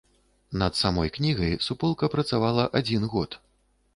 Над самой кнігай суполка працавала адзін год.